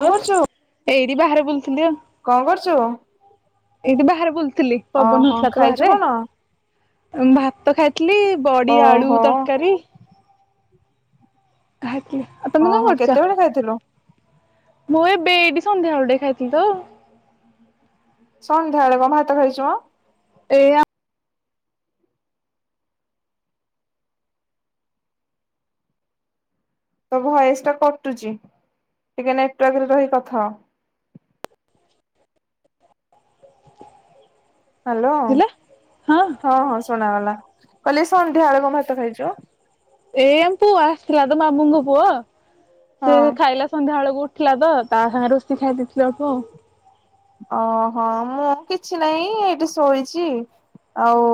କଣ ହଲୋ କରୁଛୁ ଏଇଠି ବାହାରେ ବୁଲୁଥିଲି ଆଉ। କଣ କରୁଛୁ ଏଇଠି ବାହାରେ ଥିଲ ଓହୋ ପବନଥିଲା ତ ଖାଇଛୁ କଣ ବାହାରେ ଭାତ କ୍ଲି ବଡି ଆଳୁ ଓହୋ ତରକାରୀ କା ଓହୋ କେତେବେଳେ ଖାଇଥିଲୁ? ମୁ ଏ ବେଡି ସନ୍ଧ୍ୟା ବେଳେ ଖାଇଥିଲି ତ। ସନ୍ଧ୍ୟା ବେଳେ କ ହାତ ଖାଇଛୁ ମ? ଏଇଆ ତ ଭୟସ ଟା କଟୁଚ ଟିକ ନେଟାର୍କରେ ରହି କଥା ହ। ହ୍ୟାଲୋ ଥିଲା ହଁ ହଁ ଶୁଣାଗଲା। କଲି ସନ୍ଧ୍ୟି ଆଳକୁମାତ ଖାଇଛୁ। ଏ ଆମ ପୁଅ ଆସିଥିଲା ତ ମାମୁଁଙ୍କ ପୁଅ ସେ ହଁ ଖାଇଲା ସନ୍ଧ୍ୟା ବେଳକୁ ଥିଲା ତ ତା ସାଙ୍ଗେ ରୋଷେଇ ଖାଇ ଦେଇେଇଥିଲ ଅଳୁ ଓହୋ ମୁଁ କିଛି ନାହିଁ ଏଇଠି ଶୋଇଛି ଆଉ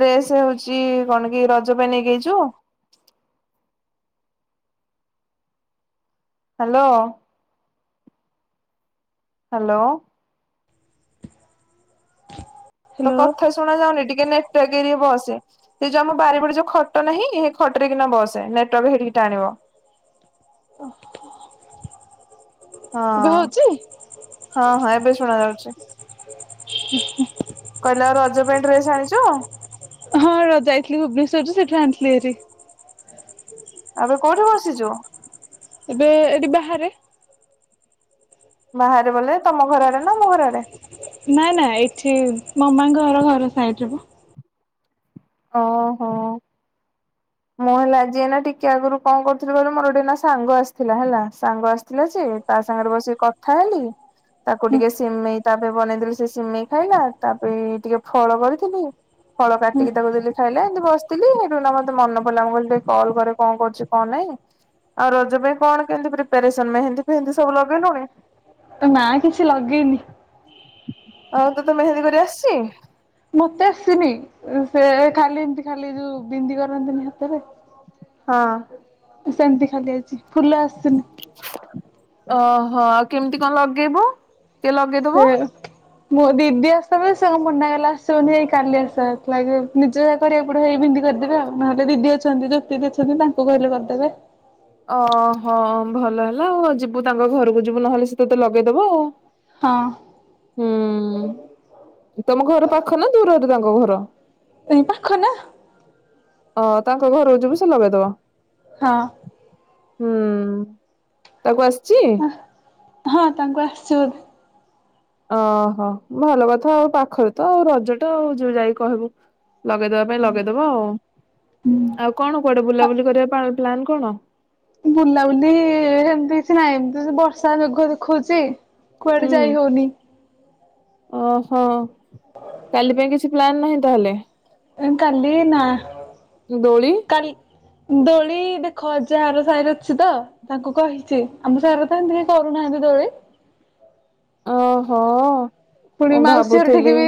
ଡ୍ରେସ ହଉଛି କଣ କି ରଜ ପାଇଁ ନେଇକେଇଛୁ? ହ୍ୟାଲୋ ହ୍ୟାଲୋ ତ ହ୍ୟାଲୋ କଥା ଶୁଣା ଯାଉନି ଟିକେ ନେଟଗିରି ବସ ସେ ଯୋଉ ଆମ ବାରିପଡ ଯୋଉ ଖଟ ନାହିଁ ସେ ଖଟ ରେ କିନା ବସେ ନେଟାର୍ ହେଠିକି ଟାଣିବ। ଓୋ ହଁ ହଁ ହଁ ଏବେ ଶୁଣା ଯାଉଛି। ହୁ ହୁ କହିଲା ଆ ରଜ ପାଇଁ ଡ୍ରେସ୍ ଆଣିଛ? ସେଠୁ ସେଠୁ ଆଣିଥିଲି ଏରି। ଏବେ କୋଉଠି ବସିଛୁ? ଏବେ ଏଠି ବାହାରେ। ବାହାରେ ବଲେ ତମ ଘର ଆଡେ ନା ମମ ଘର ଆଡେ? ନା ନା ଏଠି ମାମାଙ୍କ ଘର ଘର ସାଇଟି ରେପା ଓ ହୋ ମୁଁ ହେଲା ଆଜି ଏଇନା ଟିକେ ଆଗରୁ କଣ କରୁଥିଲି ଏବେ ମୋର ଗୋଟେ ଏଇନା ସାଙ୍ଗ ଆସିଥିଲା ହେଲା ସାଙ୍ଗ ଆସିଥିଲା ସେ ତା ସାଙ୍ଗରେ ବସିକି କଥା ହେଲି ତାକୁ ହଁ ଟିକେ ସିମେଇ ତାପ ବନେଇଦେଲି ସେ ସିମେଇ ଖାଇଲା ତାପ ଟିକେ ଫଳ କରିଥିଲି ଫଳ ହଁ କାଟିକି ତାକୁ ଦେଲି ଖାଇଲା ଏମତି ବସିଥିଲି ସେଠୁ ତ ମନେ ପଡିଲ ମୁଁ କହିଲ ଟିକେ କଲ୍ କରେ କଣ କରୁଛି କଣ ନାଇଁ ଆଉ ରଜ ପାଇଁ କଣ କେମତି ପ୍ରିପାରେସନ ମେହେନ୍ଦି ଫେହେନ୍ଦି ସବୁ ଲଗେଇଲୁଣି? ନା କିଛି ଲଗେଇନି। ଆଉ ତତେ ମେହେନ୍ଦୀ କରି ଆସିଚ? ମତେ ଆସିନି ସେ ଖାଲି ଏମତି ଖାଲି ଯୋଉ ବିନ୍ଦି କରନ୍ତିନି ହାତରେ ହଁ। ସେମିତି ଖାଲି ଆଇଛି। ଫୁଲ ଆସିନି ଓହୋ ଆଉ କେମିତି କଣ ଲଗେଇବୁ କିଏ ସେ ଲଗେଇଦବ? ମୋ ଦିଦି ଆସ ବ ସେ ମନା କଲେ ଆସିବନି ଏଇ କାଲି ଆସ ନିଜ ଯା କରିବା ପଡିବ। ହେଇ ବିନ୍ଦି କରିଦେବି। ନହେଲେ ଦିଦି ଅଛନ୍ତି ଜ୍ୟୋତିଦି ଅଛନ୍ତି ତାଙ୍କୁ କହିଲେ କରିଦେବେ। ଓହୋ ଭଲ ହେଲା ଆଉ ଯିବୁ ତାଙ୍କ ଘରକୁ ଯିବୁ ନହେଲେ ସେ ତତେ ଲଗେଇଦେବେ ଆଉ ହଁ। ହୁଁ। ତମ ଘର ପାଖ ନା ଦୂର? ତାଙ୍କ ଘର ଏ ପାଖ ନା ଅ ତାଙ୍କ ଘରକୁ ଯିବୁ ସେ ଲଗେଇଦବ ହଁ। ହୁଁ ତାକୁ ଆସି ଅ ହଁ ତାଙ୍କୁ ଆସିଛ ବୋଧେ ଓହୋ ଭଲ କଥା ଆଉ ପାଖରେ ତ ଆଉ ରଜ ଟା ଆଉ ଯୋଉ ଯାଇକି କହିବୁ ଲଗେଇଦବା ପାଇଁ ଲଗେଇଦବ ଆଉ ହୁଁ। ଆଉ କଣ କୁଆଡେ ବୁଲାବୁଲି କରିବା ପ୍ଲାନ କଣ? ବୁଲାବୁଲି ଏମତି କିଛି ନାହିଁ ଏମତି ବର୍ଷା ସେ ମେଘୁଆ ଦେଖଉଚି ହୁଁ କୁଆଡେ ଯାଇ ହଉନି ଓହୋ। କାଲି ପାଇଁ କିଛି କିଛି ପ୍ଲାନ ନାହିଁ ତାହାଲେ ଏ କାଲି ନା ଦୋଳି? କାଲି ଦୋଳି ଦେଖ ଅଜା ଘର ସାହିର ଅଛି ତ ତାଙ୍କୁ କହିଛି ଆମ ସାଇରେ ତ ଏମତି କରୁନାହାନ୍ତି ଦୋଳି। ଓହୋ। ପୁଣି ମୁଁ ମାଉସୀ ଘରଠି କି ଭାବୁଥିଲି ବି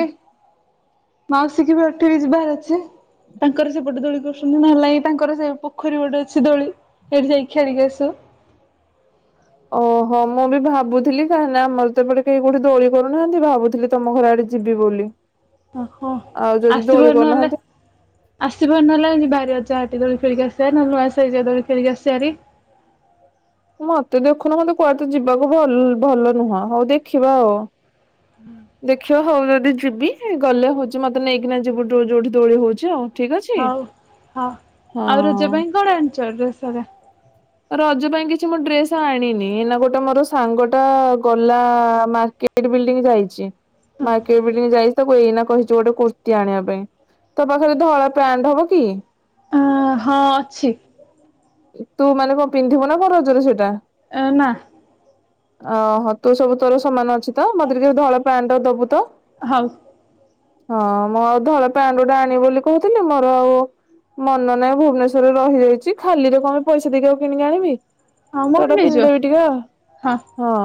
ମାଉସୀ କୁ ବି ଅଟକେଇ କି ଯିବାର ଅଛି ତାଙ୍କର ସେପଟେ ଦୋଳି କରୁଛନ୍ତି ନହେଲେ ତାଙ୍କର ସେ ପୋଖରୀ ଗୋଟେ ଅଛି ଦୋଳି ସେଠି ଯାଇ ଖେଳି କି ଆସିବ ଓହୋ ମୁଁ ବି ଭାବୁଥିଲି କାହିଁକି ନା ଆମର ତ ଏପଟେ କେହି କୋଠେ ଦୋଳି କରୁନାହାନ୍ତି ଭାବୁଥିଲି ତମ ଘର ଆଡେ ଯିବି ବୋଲି। ଓହୋ ଆଉ ଯଦି ଆସିବ ଦୋଳି ନହେଲେ କରୁନାହାନ୍ତି ଆସିବ ନହେଲେ ଯିବା ଆଜି ଯାଇ କି ଦୋଳି ଖେଳିକି ଆସିବାହାରି ନହଲେ ନୂଆ ସାହି ଯାଇକି ଦୋଳି ଖେଳିକି ଆସିବା ହାରି ମତେ ଦେଖୁନ କୁହନ୍ତି କୁଆଡେ ତ ଯିବାକୁ ଭଲ ଭଲ ନୁହଁ ଆଉ ଦେଖିବା ଆଉ ଦେଖିଆ ହଉ ଯଦି ଯିବି ଗଲେ ହଉଛି ମତେ ନେଇକିନାହି ଯିବ ଯୋଉଠି ଦୋଳି ହଉଛି ଆଉ। ଠିକ ଅଛି ହଉ ହଉ ଆଉ ହଁ ରଜା ପାଇଁ କଣ ଆଣିଛ ଡ୍ରେସ ରଜ ପାଇଁ କିଛି ମୁଁ ଡ୍ରେସ ଆଣିନି ନା ଗୋଟେ ମୋର ସାଙ୍ଗଟା ଗଲା ମାର୍କେଟ ବିଲଡିଂ ଯାଇଛି। ମାର୍କେଟ ବିଲଡିଂ ଯାଇଚି ତାକୁ ଏଇନା କହିଛୁ ଗୋଟେ କୁର୍ତ୍ତି ଆଣିବା ପାଇଁ ତୋ ପାଖରେ ଧଳା ପ୍ୟାଣ୍ଟ ହବ କି ଆ ହଁ ଅଛି। [unintelligible] ତୁ ମାନେ କଣ ପିନ୍ଧିବୁ ନା କ ରଜରେ ସେଇଟା। ଏନା ଓହୋ ତୁ ସବୁ ତୋର ସମାନ ଅଛି ତ ମତେ ଟିକେ ଧଳା ପ୍ୟାଣ୍ଟ ଦବୁ ତ ହଉ ହଁ ମୁଁ ଆଉ ଧଳା ପ୍ୟାଣ୍ଟ ଡାଣ ବୋଲି କହୁଥିଲି ମୋର ଆଉ ମନ ନାହିଁ ଭୁବନେଶ୍ଵରରେ ରହିଯାଇଛି ଖାଲିରେ କଣ? ପଇସ ଦେଇ କେଉ କିଣଆଣିି ବି ହଁ ମୋଠୁ ତଟା ନେଇଯିବ। ପିନ୍ଦ ବି ଟିକ ହଁ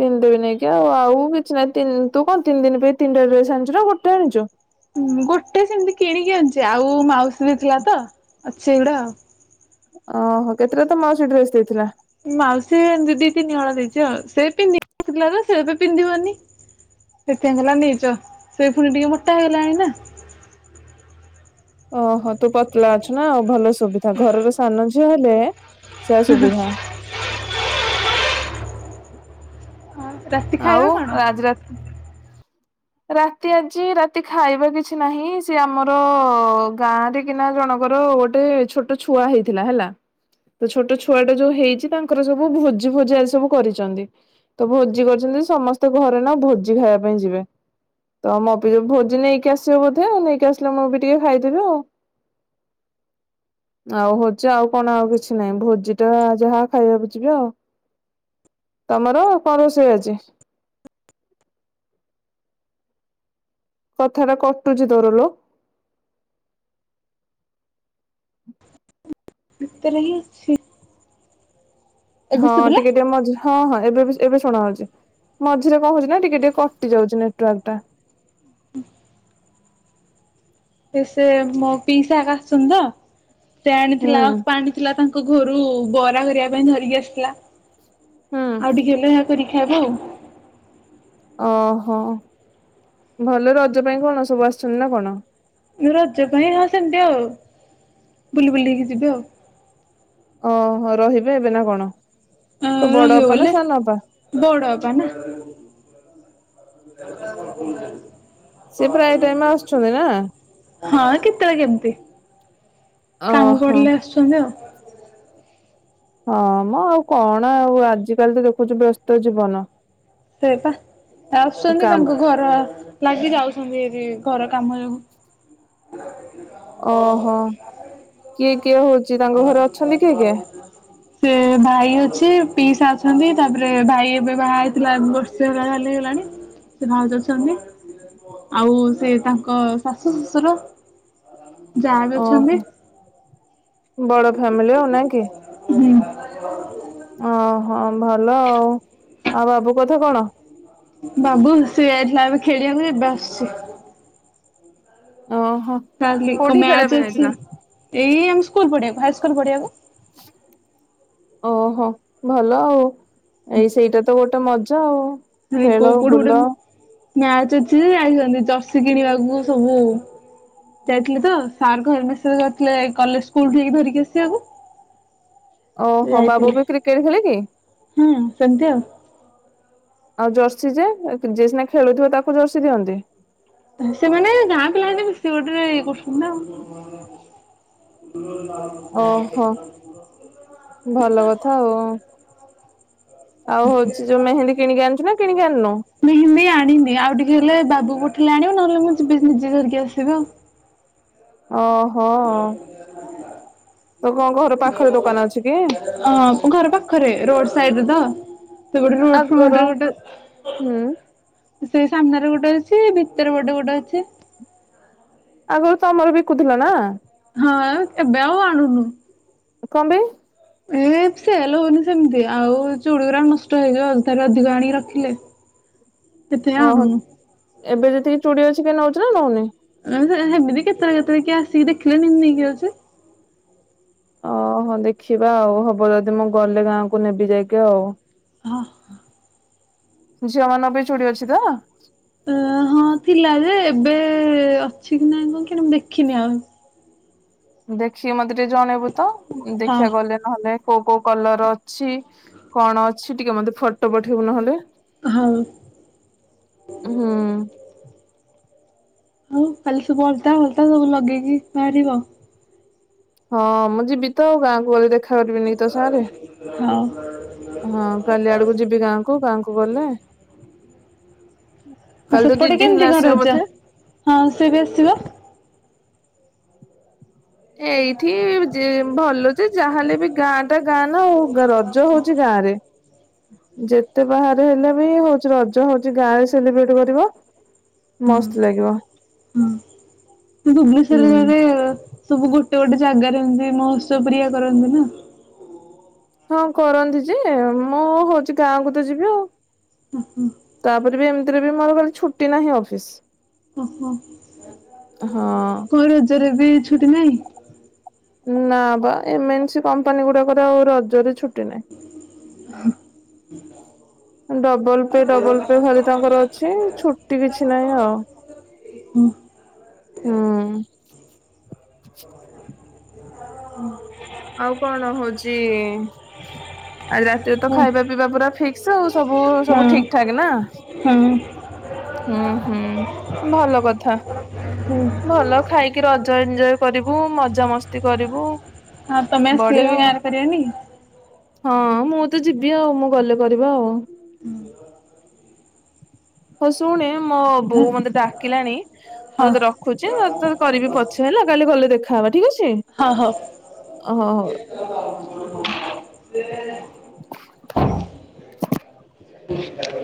ପିନ୍ଧେ ବି ନେଇକି ଆଉ ଆଉ କିଛି ନାହିଁ ତୁ କଣ ତିନି ଦିନ ପାଇଁ ତିନିଟା ଡ୍ରେସ ଆଣିଛୁ ନା ଗୋଟେ ଆଣିଛୁ ହଁ ଗୋଟେ ସେମିତି କିଣିକି ଅଣିଛି ଆଉ ମାଉସୀ ବି ଥିଲା ତ ଅଛି ଏଗୁଡା ଆଉ ଓହୋ କେତେଟା ତମ ଆଉ ସେଠ୍ରରେସ୍ ଦେଇଥିଲା ମାଉସୀ ଏମିତି ଦି ତିନି ହଳ ଦେଇଛି ଆଉ ସେ ପିନ୍ଧଖଥିଲା ତ ସେ ଏବେ ପିନ୍ଧିବନି ସେଥିପାଇଁ ହେଲା ନେଇଚ ସେଇ ପୁଣି ଟିକେ ମୋଟା ହେଇଗଲାଣି ନା ଓହୋ ତୁ ପତଲା ଅଛୁ ନା ଆଉ ଭଲ ସୁବିଧା ଘରର ସାନ ଝିଅ ହେଲେ ସ ସୁବିଧା ରାତି ଖାଇବା ଆଉ କଣ? ରାଜରାଥ ରାତି ଆଜି ରାତି ଖାଇବା କିଛି ନାହିଁ ସେ ଆମର ଗାଁରେ କିନା ଜଣଙ୍କର ଗୋଟେ ଛୋଟ ଛୁଆ ହେଇଥିଲା ହେଲା ତ ଛୋଟ ଛୁଆଟା ଯୋଉ ହେଇଛି ତାଙ୍କର ସବୁ ଭୋଜି ଭୋଜି ଆଜି ସବୁ କରିଛନ୍ତି ତ ଭୋଜି କରିଛନ୍ତି ସମସ୍ତେ ଘରେ ନା ଭୋଜି ଖାଇବା ପାଇଁ ଯିବେ ତ ମୋ ବି ଯ ଭୋଜି ନେଇକି ଆସିବ ବୋଧେ ନେଇକି ଆସିଲେ ମୁଁ ବି ଟିକେ ଖାଇଦେବି ଆଉ ଆଉ ହଉଛି ଆଉ କଣ ଆଉ କିଛି ନାହିଁ ଭୋଜି ଟା ଯାହା ଖାଇବାକୁ ଯିବି ଆଉ ତମର କଣ ରୋଷେଇ ଅଛି କଥାଟା କଟଟୁଝ ଦରଲ ତର ହ ସ ହଁ ଟିକେ ଟିକେ ମ ହଁ ହ ଏବେ ଏବେ ଶୁଣା ହଉଛି ମଝିରେ କଣ ହଉଛି ନା ଟିକେ ଟିକେ କଟି ଯାଉଛି ନେଟୱାର୍ ଟା ଏ ସେ ମୋ ପିଇସାକ ଆସୁଛନ୍ତି ତ ସେ ଆଣିଥିଲା ଆଣିଥିଲା ତାଙ୍କୁ ତାଙ୍କ ଘରୁ ବରା କରିବା ପାଇଁ ଧରିକି ଆସିଥିଲା। ଆଉ ଟିକେ ହେଲେ। ପରୀକ୍ଷାବ ଆଉ ଓହୋ ଭଲ ରଜ ପାଇଁ କଣ ସବୁ ଆସିୁଛନ୍ତି ନା କଣ? ରଜ ପାଇଁ ହଁ ସେମିତି ଆଉ ବୁଲି ବୁଲି ହେଇକି ଯିବି ଆଉ ଓ ରହିବେ ଏବେ ନା କଣ? ଅ କୋଉ ବଡ ରହିବ ଅପା ନା ବଲେ ସାନ ଅପା? ବଡପ ନା। [unintelligible] ସିଏ ପ୍ରାୟ ଟାଇମ ଆସୁଛନ୍ତି ନା ହଁ କେତେବେଳେ କେମିତି? କାମ ଓହୋ। ପିଲେ ଆସୁଛନ୍ତି ଆଉ ଆ ହଁ ମୁଁ ଆଉ କଣ ଆଉ ଆଜିକାଲି ତ ଦେଖୁଛୁ ବ୍ୟସ୍ତ ଜୀବନ। ସେଟ ଆସୁଛନ୍ତି କାମ ତାଙ୍କ ଘର ଲାଗି ଯାଉଛନ୍ତି ଏଠି ଘର କାମ ଯବୁ ଓହୋ କିଏ କିଏ ହଉଛି ତାଙ୍କ ଘରେ ଅଛନ୍ତି କି ଆଜ୍ଞା ସେ ଭାଇ ଅଛି ସେ ପିସ୍ ଅଛନ୍ତି। ତାପରେ ଭାଇବେ ବା ଥିଲା ବର୍ଷେ ହେଲା ବାଲି ହେଗଲାଣି ସେ ଭାଉତ ଅଛନ୍ତି ଆଉ ସେ ତାଙ୍କ ଶାଶୁ ଶ୍ୱଶୁର ଯାହା ବି ଅଛନ୍ତି। ଓହୋ ବଡ ଫ୍ୟାମିଲି ଆଉ ନା କି ହୁଁ। [unintelligible] ଓହୋ ଭଲ ଆଉ। ଆଉ ବାବୁ କଥା କଣ? ବାବୁ ହସୁ ଯାଇଥିଲା ଏବେ ଖେଳିବାକୁ ଏବେ ଆସୁଚି। ଓହୋ ଚାଲ କଣ କୋଉଠିକି ଖେଳିବା ପାଇଁ ମ୍ୟାଚ ଅଛି ଯାଇଥିଲା? ଏଇ ଆମ ସ୍କୁଲ ପଢିବାକୁ ହାଇ ସ୍କୁଲ ପଢଆକୁ ଓହୋ ଭଲ ଆଉ। ଏଇ ସେଇଟା ତ ଗୋଟେ ଗଟେ ମଜା ଆଉ ଖେଳ ବୁଲ ମ୍ୟାଚ ଅଛି ଯାଇଛନ୍ତି ଚର୍ଷି କିଣିବାକୁ ସବୁ ଯାଇଥିଲେ ତ ସାର୍ ଘର ମିଶ ଯଥିଲେ କଲେ ସ୍କୁଲ ଧରିକି ଆସିବାକୁ ଓହୋ ବାବୁ ଯାଇଥିଲେ ବି କ୍ରିକେଟ ଖେଳିକ ସନ୍ଧ୍ୟା ଆଉ ଜର୍ସି ଯେ ଯ ସିନା ଖେଳୁଥିବ ତାକୁ ଜର୍ସି ଦିଅନ୍ତି। ସେମାନେ ଗାଁ ପିଲା ହେ ସେ ଗୋଟରେ ଇଏ କରୁଛନ୍ତି ନା ଆଉ ଓହୋ [inaudible] ଭଲ କଥା ଆଉ ଆଉ ହଉଛି ଯୋଉ ମେହେନ୍ଦୀ କିଣିକି ଆଣିଛୁ ନା କିଣିକି ଆଣିନୁ ମେହେନ୍ଦୀ ଆଣିନି ଆଉ ଟିକେ ହେଲେ ବାବୁ ଗୋଟେ ଦେଖିଲା ଆଣିବ ନହେଲେ ମୁଁ ଯିବ ନିଜେ ଧରିକି ଆସିବି ଆଉ ଓହୋ ତୋ କଣ ଘର ପାଖରେ ଦୋକାନ ଅଛି କି? ହଁ ଘର ପାଖରେ ରୋଡ ସାଇଡରେ ତ ସେ ଗୋଟେ ରୋଡ ଆଗର ଫଣ୍ଟ ଗୋଟେ ହୁଁ ସେ ସାମ୍ନାରେ ଗୋଟେ ଅଛି। କେତର ବଟେ ଗୋଟେ ଅଛି। ଆଗରୁ ତମର ବିକୁଥିଲା ନା ହଁ ଏ ବଉ ଆଣୁୁ କଣ ପାଇଁ? ଏ ସେଲ ହଉନି ସେମିତି ଆଉ ଚୁଡଗା ନଷ୍ଟ ହେଇଯିବ ଅଥାରେ ଅଧିକ ଆଣିକି ରଖିଲେ କେଥେ ଓହୋ ଆଉ ଏବେ ଚୁଡି ଅଛି କି ନଉଛି ନା ନଉନି ହେମିତି କେତେଟା କେତେବେଳେ କିଏ ଆସିକି ଦେଖିଲେନ ନେଇକି ଯଉଛି। ଓହୋ ଦେଖିବା ଆଉ ହବ ଯଦି ମୁଁ ଗଲେ ଗାଁକୁ ନେବି ଯାଇକି ଆଉ ହଁ ହ ଝିଅ ମାନ ବି ଚୁଡି ଅଛି ତ ଅ ହଁ ଥିଲା ଯେ ଏବେ ଅଛି କି ନାଇଁ କଣ କି ମୁଁ ଦେଖିନି ଆଉ ଦେଖିକି ମତେ ଟିକେ ଜଣେଇବୁ ତ ହଁ। ଦେଖିବାକୁ ଗଲେ ନହେଲେ କୋଉ କୋଉ କଲର ଅଛି କଣ ଅଛି ଟିକେ ମତେ ଫଟୋ ପଠେଇବୁ ନହେଲେ ହଁ। ହୁଁ ଆଉ କାଲି ସବୁ ଅଲତାା ଫଲତାା ସବୁ ଲଗେଇକି ବାହାରିବ ହଁ ମୁଁ ଯିବି ତ ଆଉ ଗାଁକୁ ଗଲି ଦେଖା ରିବିନି ତ ସାଙ୍ଗରେ ହଉ ହଁ କାଲି ଆଡକୁ ଯିବି ଗାଁକୁ ଗାଁକୁ ଗଲେ। ଆଉ କାଲି ତୋ ସେପଟେ ଦିଦି ହେଲେ କେମିତି ଆସିବ ଘରେ ଅ ଯା ବୋଧେ? ହଁ ସିଏ ବି ଆସିବ। ଏଇଠି ଭଲଚ ଯାହାହେଲେ ବି ଗାଁ ଟା ଗାଁ ନା ଆଉ ରଜ ହଉଚ ଗାଁ ରେ। ଯେତେ ବାହାରେ ହେଲେ ବି ହଉଛି ରଜ ହଉଛି ଗାଁରେ ସେଲିବ୍ରେଟ କରିବ। ହୁଁ ମସ୍ତ ଲାଗିବ। ହୁଁ ହୁଁ ଭୁବନେଶ୍୍ୱରରେ ଯରେ ସବୁ ଗୋଟେ। ସେ ଗୋଟେ ଜାଗାରେ ଏମତି ମୋତ୍ସ ପ୍ରିୟା କରନ୍ତୁ ନା। ହଁ କରନ୍ତି ଯେ ମୁଁ ହଉଛି ଗାଁକୁ ତ ଯିବି ଆଉ ନା। ତାପରେ ବି ଏମତି। ମୋର ଖାଲି ଛୁଟି ନାହିଁ ଅଫିସ। ଓହୋ ହଁ କ ରଜରେ ଏ ଛୁଟି ନାହିଁ ନା ବା ଏମ ଏନ୍ ସ କମ୍ପାନୀ ଗୁଡାକରେ ଆଉ ରଜରେ ଛୁ ଡବଲ ପେ ଡବଲ ପେ ଖାଲି ତାଙ୍କର ଅଛି ଛୁଟି କିଛି ନାହିଁ ଆଉ ହୁଁ ହୁଁ [inaudible] ହଁ ଆଉ କଣ ହଉଛି ଆଜି ରାତିରେ ତ ହୁଁ ଖାଇବା ପିବା ପୁରା ଫିକ ହ ସବୁ ସବୁ ଠିକ ଠାକ୍ ନା ହୁଁ। ହୁଁ ହୁଁ ଭଲ କଥା ହଁ ଭଲ ଖାଇକି ରଜ ଏଞ୍ଜୟ କରିବୁ ମଜା ମସ୍ତି କରିବୁ ହଁ ତମେ ଆସଥିଲେ ବଢିଆ ବି ଆଉ। ଗାଁହାରେ କରିବନି ହଁ ମୁଁ ତ ଯିବି ଆଉ ମୁଁ ଗଲେ କରିବା ଆଉ ହୁଁ ହସୁଣେ ମୋ ବୋଉ ମତେ ଡାକିଲାଣି ମୁଁ ହଁ ତତେ ରଖୁଛି ମ ତ କରିବି ପଛ ହେଲା କାଲି ଗଲେ ଦେଖାହବା ଠିକ ଅଛି ହଁ ହଉ। ହ ହଉ ଦେଟଲେ ହେଲୋ